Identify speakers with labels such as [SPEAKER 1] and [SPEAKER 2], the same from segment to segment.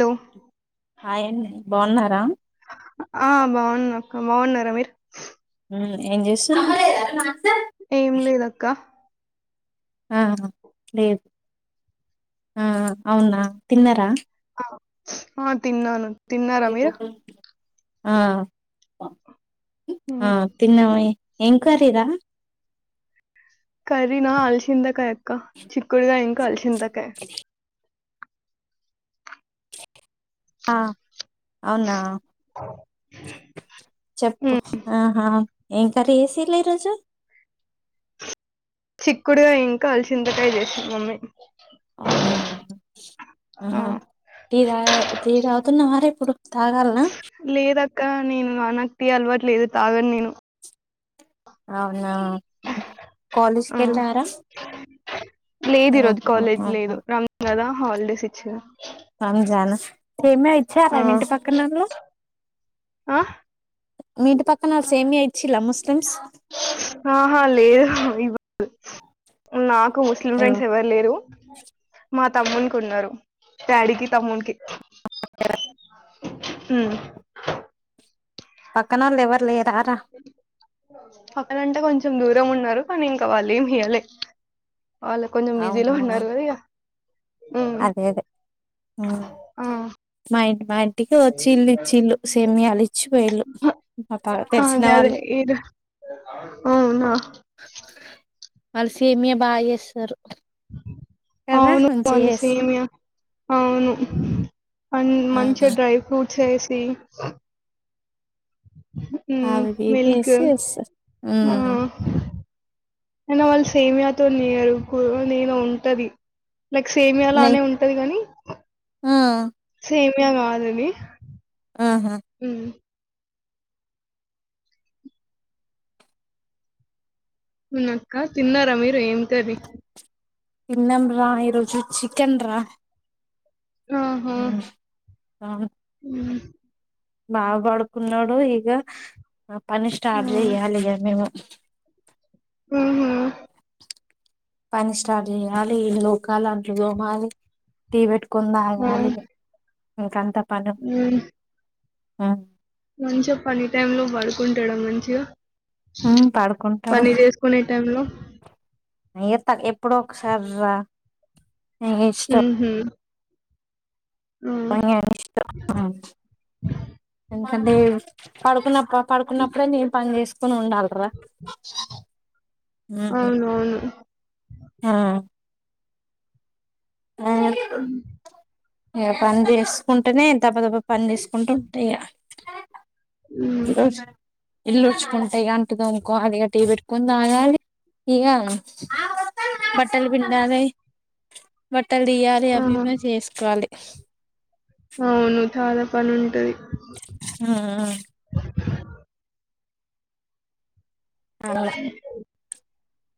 [SPEAKER 1] తో
[SPEAKER 2] హాయ్ అండి బాగున్నారా
[SPEAKER 1] ఆ బావున్నాక ఆ బావున్నారా మీర్
[SPEAKER 2] ఉమ్ ఏం చేస్తు
[SPEAKER 1] ఏం లేదక్క
[SPEAKER 2] ఆహా లేదు ఆహా అవునా తిన్నారా
[SPEAKER 1] ఆ తిన్నాను తిన్నారా మీరు
[SPEAKER 2] ఆ ఆ
[SPEAKER 1] ఉమ్.
[SPEAKER 2] తిన్నామే ఎం కర్రీ రా
[SPEAKER 1] కర్రీనా అల్చింతకాయ అక్క చిక్కుడుగాయ ఇంకా అల్చింతకాయ
[SPEAKER 2] అ అవునా చెప్పు
[SPEAKER 1] ఉమ్,
[SPEAKER 2] ఆహా ఏం కర్రి చేసిల్లు ఈరోజు
[SPEAKER 1] చిక్కుడుగాయ ఇంకా అల్చింతకాయ చేసింది మమ్మీ
[SPEAKER 2] అవునా
[SPEAKER 1] ఆ
[SPEAKER 2] ఆహా టీ తాగా టీ తాగుతున్నావారా ఇప్పుడు తాగాలనా
[SPEAKER 1] లేదక్క నేను నాక్ టీ అలవాటు లేదు తాగను నేను
[SPEAKER 2] అవునా కాలేజ్కి
[SPEAKER 1] ఆ
[SPEAKER 2] వెళ్ళారా
[SPEAKER 1] లేదు
[SPEAKER 2] ఉహు,
[SPEAKER 1] ఈరోజు కాలేజ్
[SPEAKER 2] అవునా
[SPEAKER 1] లేదు రం కదా హాలిడేస్ ఇచ్చారు
[SPEAKER 2] రంజాన్ సేమియా ఇచ్చారా
[SPEAKER 1] ఆ
[SPEAKER 2] మి ఇంటి పక్కనోల్లు
[SPEAKER 1] ఆ
[SPEAKER 2] ముస్లిమ్స్
[SPEAKER 1] ఆహా లేదు నాకు ముస్లిం ఫ్రెండ్స్ ఎవరు లేరు మా తమ్మునికి ఉన్నరు డాడీకి తమ్మునికి మ్
[SPEAKER 2] పక్కనోళ్ళు ఎవరు లేరారా
[SPEAKER 1] పక్కనంటే కొంచం దూరం ఉన్నారు కానీ ఇంకా వాళ్ళు ఏమి ఇయ్యాలే వాళ్ళ కొంచెం బిజీలో
[SPEAKER 2] అవునా
[SPEAKER 1] ఉన్నారు కదా ఇగ ఉమ్
[SPEAKER 2] అదే అదే ఉమ్
[SPEAKER 1] ఆ
[SPEAKER 2] మైండ్ మైం ఇంటికి వచ్చిల్లు ఇచ్చిల్లు సేమియాలు ఇచ్చిపోయిళ్ళు
[SPEAKER 1] అదదే ఈడ అవునా
[SPEAKER 2] వాళ్లు సేమియ బాగా చేస్తారు కదా మం
[SPEAKER 1] వాళ్లు సేమియా అవును మం
[SPEAKER 2] ఆ
[SPEAKER 1] మంచిగా డ్రై ఫ్రూట్ చేసి ఉమ్
[SPEAKER 2] అవి ఇవి
[SPEAKER 1] మిల్క్
[SPEAKER 2] ఏసి చేస్తారు
[SPEAKER 1] ఆ
[SPEAKER 2] హ్మ్
[SPEAKER 1] అయినా వాళ్లు స్ సేమియాతో నేరుకు నేనో ఉంటది లైక్ సేమియా
[SPEAKER 2] నెయ్
[SPEAKER 1] లానే ఉంటది కాని
[SPEAKER 2] ఆ
[SPEAKER 1] సేమియా కాదది.
[SPEAKER 2] ఆహా
[SPEAKER 1] ఉమ్ అవునక్క తిన్నారా మీరు ఏమి కర్రీ
[SPEAKER 2] ఏం రా ఈరోజు చికెన్ రా
[SPEAKER 1] ఆహా
[SPEAKER 2] ఉమ్, అవును
[SPEAKER 1] హ్మ్
[SPEAKER 2] బాగా పడుకున్నాడు ఇక పని స్టార్ట్ చెయ్యాలిగా మేము
[SPEAKER 1] మ్మ్ హ్మ్
[SPEAKER 2] పని స్టార్ట్ చేయాలి లోకాల అంట్లు దోమాలి టీ పెట్టు కుందగాలి ఇంకంత
[SPEAKER 1] మ్మ్
[SPEAKER 2] హ్మ్
[SPEAKER 1] మంచిగా పని టైమ్ లో పడుకుంటాడ మంచిగా
[SPEAKER 2] హ్మ్ పడుకుంటాడు
[SPEAKER 1] పని చేసుకునే టైం లో
[SPEAKER 2] ఈత ఎప్పుడో ఒకసారీ రా నీకు ఇష్టం
[SPEAKER 1] మ్మ్ హ్మ్
[SPEAKER 2] భని ఇష్టం ఎకంటే పడుకున్నాప్ప పడుకున్నప్పుడే నేం పని చేసుకొని ఉండాలీరా
[SPEAKER 1] అవునవును.
[SPEAKER 2] హ్మ్ మ్మ్ ఏ పని చేసుకుంటేనే దబ తబ పని చేసుకుంటూ ఉంటా ఇక
[SPEAKER 1] హ్మ్.
[SPEAKER 2] ఈరోజ ఇల్లు ఉచ్చుకుంటే ఇ అంటు దోంకోవాలి ఇక టీ పెట్టుకొని తాగాలి ఇక బట్టలు పిండాలి బట్టలు తీయాలి
[SPEAKER 1] ఆ!
[SPEAKER 2] అవి కూడా చేసుకోవాలి
[SPEAKER 1] అవును చాలా పని ఉంటది
[SPEAKER 2] మ్మ్ అలా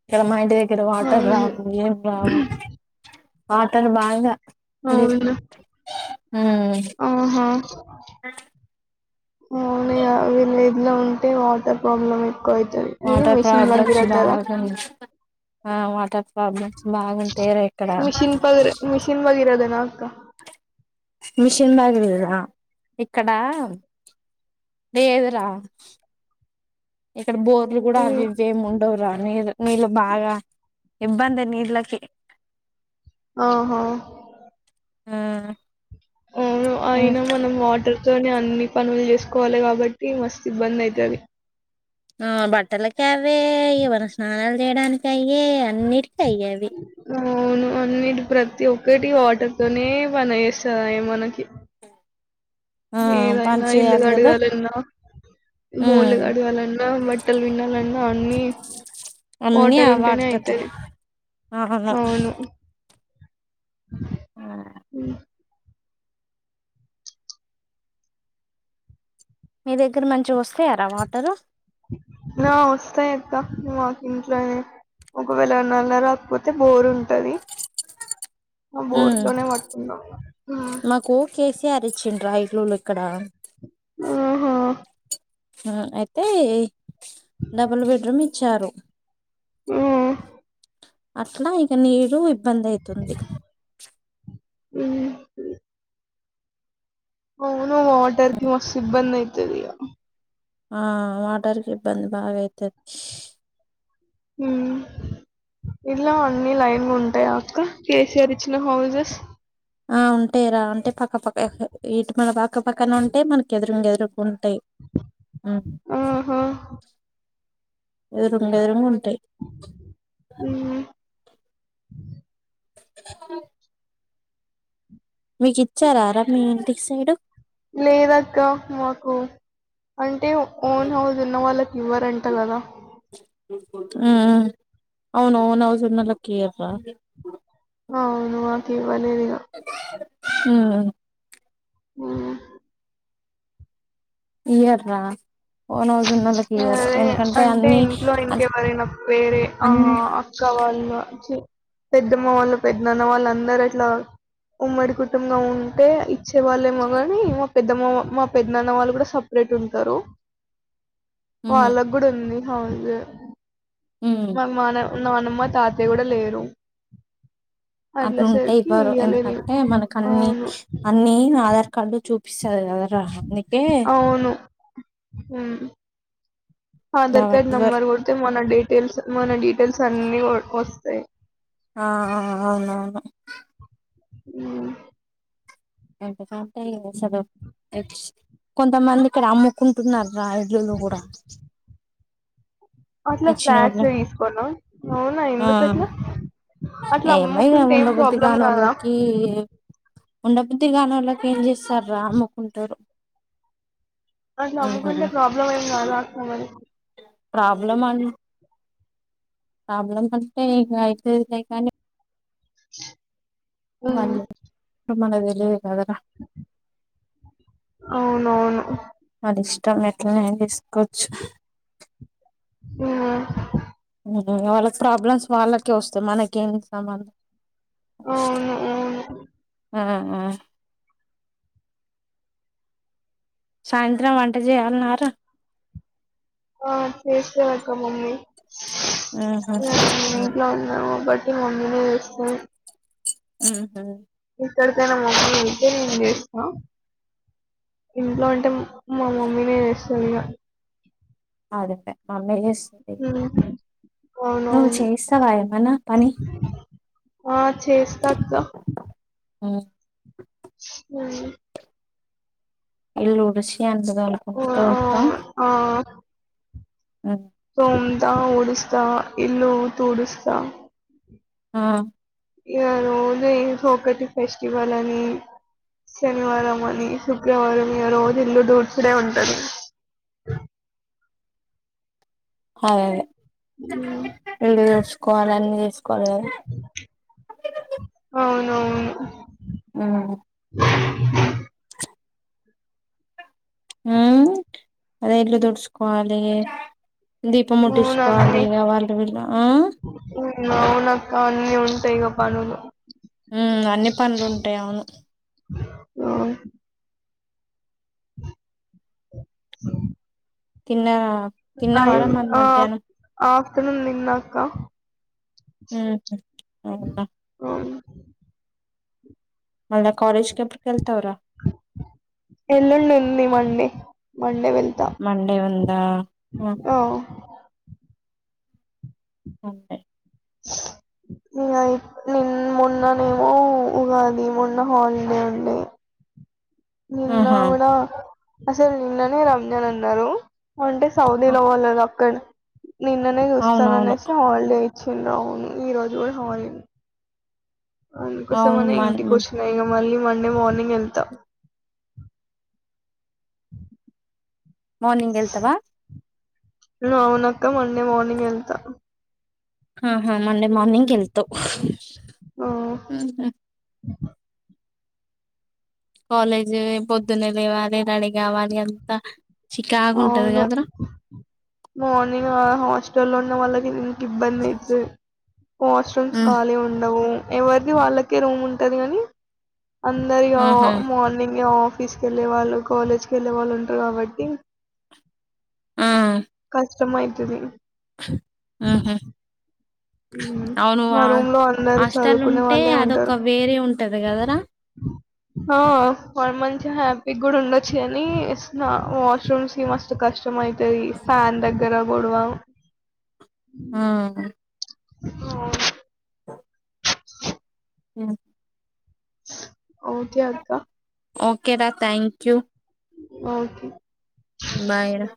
[SPEAKER 2] ఇక్కడ మా ఇంటి దగ్గర వాటర్
[SPEAKER 1] అవును.
[SPEAKER 2] రావు ఏం రావు వాటర్ బాగా ఇది
[SPEAKER 1] అవునా
[SPEAKER 2] ఉమ్
[SPEAKER 1] ఆహా అ వీళ్ళ ఏదిలో ఉంటే వాటర్ ప్రాబ్లమ్ అయి అయితది
[SPEAKER 2] వాటర్
[SPEAKER 1] మెషిన్
[SPEAKER 2] ప్రాబ్లమ్స్
[SPEAKER 1] బగిరతార
[SPEAKER 2] బాగా ఆ వాటర్ ప్రాబ్లమ్స్ బాగుంటాయి రా ఇక్కడ
[SPEAKER 1] మిషన్ భగీర మిషన్ భగీరథనా అక్క?
[SPEAKER 2] మిషన్ బాగ ఇక్కడ లేదు రా ఇక్కడ బోర్లు కూడా
[SPEAKER 1] ఇది
[SPEAKER 2] అవి ఇవే ఏమి ఉండవురా నీ నీళ్ళు బాగా ఇబ్బంది నిళ్లకి
[SPEAKER 1] ఓహో
[SPEAKER 2] మ్మ్
[SPEAKER 1] అవును అయినా మనం వాటర్ నే అన్ని పనులు చేసుకోవాలి కాబట్టి మస్తు ఇబ్బంది అయితది
[SPEAKER 2] ఆ బట్టలకి అవే ఎవన స్నానాలు చేయడానికి అయై అన్నిటి అయ్యేవి
[SPEAKER 1] అవును అన్నిటి ప్రతి ఒక్కటి వాటర్ తోనే పని చేస్తుయి అయ్యే మనకి
[SPEAKER 2] ఆ పని
[SPEAKER 1] ఏదైనా ఇల్లు
[SPEAKER 2] చేయాలి కదా
[SPEAKER 1] అడగాలన్న మూలు
[SPEAKER 2] ఉమ్
[SPEAKER 1] గడవాలన్నా బట్టలు వినాలన్నా అన్ని
[SPEAKER 2] అన్నీ ఆ
[SPEAKER 1] వాటర్ ఉంటేనే
[SPEAKER 2] వాటితోటే
[SPEAKER 1] అయితది అవును హ్మ్
[SPEAKER 2] మీ దగ్గర మంచిగా వస్తాయారా వాటరు
[SPEAKER 1] నా వస్తాయి అక్క మాకు ఇంట్లోనే ఒకవేళ నాళ రాకపోతే బోరు ఉంటది బోర్
[SPEAKER 2] ఉమ్
[SPEAKER 1] లోనే వాట్కున్నా ఇగ ఆ
[SPEAKER 2] తే అరిచంట ఇలులుక్కడా
[SPEAKER 1] ఆహా
[SPEAKER 2] అయితే డబుల్ బెడ్రూమ్ ఇచ్చారు
[SPEAKER 1] ఆ
[SPEAKER 2] అట్లా ఇక నీరు ఇబ్బంది అయితుంది.
[SPEAKER 1] హ్మ్, హూ. అవును వాటర్ కి మస్త్ ఇబ్బంది అయితది ఇగ.
[SPEAKER 2] ఆ వాటర్ కి ఇబ్బంది బాగా అయితది.
[SPEAKER 1] హ్మ్. ఇలా అన్ని లైనుగా ఉంటాయి. అక్క కేసీఆర్ ఇచ్చిన హౌజెస్.
[SPEAKER 2] ఆ ఉంటాయిరా. అంటే పక్కపక్క ఇటు మన పక్కపక్కన ఉంటే మనకి ఎదురుంగ ఎదురుంగ. ఉంటాయి, ఆ
[SPEAKER 1] ఆహా
[SPEAKER 2] ఎదురుంగ ఎదురుంగా ఉం.
[SPEAKER 1] హ్మ్.
[SPEAKER 2] [inaudible] మీకు ఇచ్చారారా మీ ఇంటికి సైడ్.
[SPEAKER 1] లేదక్క మాకు అం. అంటే ఓన్ హౌస్ ఉన్న వాళ్ళకి ఇవ్వర్ అంట కదా.
[SPEAKER 2] హ్మ్, ఆ అవును అవును ఓన్ హౌస్ ఉన్న వాళ్ళకి ఇయర్ రా.
[SPEAKER 1] అవును మాకు ఇవ్వలేదు ఇగ.
[SPEAKER 2] హ్మ్
[SPEAKER 1] హ్మ్
[SPEAKER 2] ఇయర్ రా.
[SPEAKER 1] ఆ అరే అంటే
[SPEAKER 2] అన్ని
[SPEAKER 1] ఇంట్లో ఇంకెవరైనా వేరే ఆ.
[SPEAKER 2] అన్
[SPEAKER 1] అక్క వాళ్లు చి, పెద్దమ్మ వాళ్ళు పెద్దన్న వాళ్ళ అందరు అట్లా. ఉమ్మడి కుటుంబం ఉంటే ఇచ్చే. వాళ్ళేమో కాగాని మా పెద్దమ్మ మా పెద్ద నాన్న వాళ్ళు కూడా సపరేట్. రేట్ ఉంటారు.
[SPEAKER 2] ఉమ్
[SPEAKER 1] వాళ్ళకు కూడా ఉంది హౌజ
[SPEAKER 2] ఉమ్
[SPEAKER 1] మ మన. నానమ్మ తాతయ్య కూడా లేరు.
[SPEAKER 2] అట్లుంటే
[SPEAKER 1] అట్లసరికి
[SPEAKER 2] ఇవ్వరు
[SPEAKER 1] ఇయ్యలేదు.
[SPEAKER 2] ఎందుకంటే మనకు అన్ని
[SPEAKER 1] అవును.
[SPEAKER 2] అన్ని ఆధార్ కార్డు చూపి. సరే రా అందుకే.
[SPEAKER 1] అవును. హ్మ్ ఆధార్
[SPEAKER 2] కాబట్టి
[SPEAKER 1] కార్డ్
[SPEAKER 2] ఇవ్వరు
[SPEAKER 1] నంబర్ కొడితే మన డీటెయిల్స్ మన డీటెయిల్స్ అన్ని వస్తాయి.
[SPEAKER 2] ఆ అవునవును
[SPEAKER 1] హ్మ్
[SPEAKER 2] [unintelligible] కొంతమంది ఇక్కడ అమ్ముకుంటున్నారు రా ఇల్లులు కూడా.
[SPEAKER 1] అట్లా ఫ్లాట్స్
[SPEAKER 2] ఇచ్చినోళ్ళు
[SPEAKER 1] తీసుకున్నాం, అవునా ఎందుకు ఎట్లా.
[SPEAKER 2] ఏం లేదు ఉండబుద్ధి
[SPEAKER 1] కాదా
[SPEAKER 2] కానులకి ఉండ. ఉండబుద్దిగానో లోకు ఏం చేస్తారా అమ్ముకుంటూరు.
[SPEAKER 1] వాళ్లు అమ్ముకుంటే ప్రాబ్లం ఏం రాదు అక్క మరి.
[SPEAKER 2] ప్రాబ్లమ్ మం. ప్రాబ్లమ్ అంటే ఇగ అయితే కానీ.
[SPEAKER 1] హ్మ్.
[SPEAKER 2] మన తెలీదు.
[SPEAKER 1] అవును, అవును.
[SPEAKER 2] టమోటాలన. [unintelligible]
[SPEAKER 1] హ్మ్
[SPEAKER 2] వాళ్ళకి ప్రాబ్లమ్స్ వాళ్ళకి వస్తాయి మనకేం సంబంధం.
[SPEAKER 1] అవును, అవును.
[SPEAKER 2] ఆ, ఆ. సాయంత్రం వంట చేయాలన్నారా.
[SPEAKER 1] ఆ చేస్తా అక్క మమ్మీ.
[SPEAKER 2] ఆహా.
[SPEAKER 1] మమ్మీని వేస్తుంది.
[SPEAKER 2] Who, who.
[SPEAKER 1] కడతేనే మొగులు ఉంట నేను చేస్తా. ఇంట్లో అంటే మా మమ్మీనే చేస్తదిగా
[SPEAKER 2] అది ప మామీ చేస్
[SPEAKER 1] ఉహు
[SPEAKER 2] నువ్వు చేస్తావా ఏమన్న పని
[SPEAKER 1] ఆ చేస్తక్క
[SPEAKER 2] ఉమ్
[SPEAKER 1] ఉమ్
[SPEAKER 2] ఇల్లు ఉడిషి అంట్లు
[SPEAKER 1] ఆ,
[SPEAKER 2] తోముతా.
[SPEAKER 1] తొంత, ఊడుస్తా, ఇల్లు తుడుస్తా
[SPEAKER 2] ఆ
[SPEAKER 1] ఇగ రోజ ఇంకొకటి ఫెస్టివల్ అని, శనివారం అని, సు వారం ఇగ రోజు ఇల్లు దూద్సుడే ఉంటుంది.
[SPEAKER 2] అదే ఇల్లు తుడుచుకోవాలె, అన్ని నేర్చుకోవాలె కదా
[SPEAKER 1] అవునవును
[SPEAKER 2] ఉమ్ ఉమ్ అదే ఇల్లు దుడ్సుకోవాలె దీపం
[SPEAKER 1] అవును
[SPEAKER 2] ముట్టించుకోవాలి
[SPEAKER 1] అన్ని
[SPEAKER 2] ఇగ వాళ్ళు వీళ్ళు ఆ
[SPEAKER 1] టై ఇగ పనులు
[SPEAKER 2] ఉమ్ అన్ని పనులు ఉంటయి అవును.
[SPEAKER 1] ఆ అ
[SPEAKER 2] తిన్నారా
[SPEAKER 1] అయి
[SPEAKER 2] తిన్నావారా మరి
[SPEAKER 1] ఆ
[SPEAKER 2] మధ్యాహ్నం
[SPEAKER 1] ఆఫ్టర్నూన్ తిన్నక్క.
[SPEAKER 2] ఉహు అవుత మళ్ళ కాలేజ్ కి ఎప్పుడు ఎల్తవుర
[SPEAKER 1] ఎల్లుండి ఉంది మళ్ళీ మల్ డే వెళ్తా
[SPEAKER 2] మండే ఉందా ఆహా
[SPEAKER 1] ఆ
[SPEAKER 2] అంతే
[SPEAKER 1] ఇగ నిన్ మొన్ననేమో ఉగాది, మొన్న హాలిడే ఉండే నిన్న
[SPEAKER 2] ఆహా
[SPEAKER 1] కూడా అసలు నిన్ననే రంజాన్ అన్నరు అంటే సౌదీ లో వాళ్ళదీ అక్కడ నిన్ననే
[SPEAKER 2] అవునవును
[SPEAKER 1] చూస్తాననేసి హాలిడే ఇచ్చింది అవువు ఈ రోజు కూడా హాలీన్
[SPEAKER 2] అవును
[SPEAKER 1] అందుకోసమనే
[SPEAKER 2] మన్
[SPEAKER 1] ఇంటికి వచ్చిన ఇగ మళ్ళీ మండే మార్నింగ్ ఎల్త
[SPEAKER 2] మార్నింగ్ ఎళ్తవా
[SPEAKER 1] ఉఉమ్ అవునక్క మండే మార్నింగ్ ఎల్త
[SPEAKER 2] ఆ హా మండే మార్నింగ్ ఎల్తవ్
[SPEAKER 1] ఆ
[SPEAKER 2] కాలేజీ పొద్దున్నే లేవాలె, రెడీ కావాలి అంతా చికాకు ఉంటది
[SPEAKER 1] అవును.
[SPEAKER 2] కదరా
[SPEAKER 1] మార్నింగ్ ఆ హాస్టల్ ఉన్న వాళ్ళకి ఇబ్బంది అయితది, వాష్రూమ్స్
[SPEAKER 2] ఉమ్,
[SPEAKER 1] ఖాళీ ఉండవు. ఎవరిది వాళ్ళకి రూమ్ ఉంటది గని అందరిగ
[SPEAKER 2] ఆహా
[SPEAKER 1] మార్నింగ్ ఆ ఫీస్ కెళ్ళే వాళ్ళు, కాలేజ్ కెళ్ళే వాళ్ళు ఉంటరు కాబట్టి
[SPEAKER 2] ఆ
[SPEAKER 1] కష్టమయితది
[SPEAKER 2] ఉహు
[SPEAKER 1] మ్మ్
[SPEAKER 2] అవును
[SPEAKER 1] మా
[SPEAKER 2] ఆ
[SPEAKER 1] రూమ్ లో అందరు
[SPEAKER 2] హాస్టల్
[SPEAKER 1] చదువుకునే
[SPEAKER 2] ఉంటే
[SPEAKER 1] వాళ్ళే
[SPEAKER 2] అదొక వేరే ఉంటది కదరా.
[SPEAKER 1] ఉ హా వల్ మంచి హ్యాపీ కూడా ఉండొచ్చు గని, స్నా వాష్రూమ్స్ కి మస్తు కష్టం మైతది, ఫ్యాన్ దగ్గర గొడవ
[SPEAKER 2] ఆ
[SPEAKER 1] ఓ అవునా
[SPEAKER 2] స నేను
[SPEAKER 1] ఓకే అక్క
[SPEAKER 2] ఓకే రా థ్యాంక్ యూ
[SPEAKER 1] ఓకే
[SPEAKER 2] బాయ్ రా